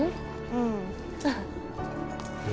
うん。